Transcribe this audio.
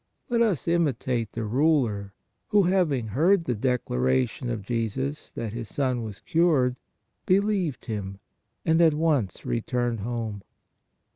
Let us imitate the ruler, who hav ing heard the declaration of Jesus that his son was cured, believed Him and at once returned home.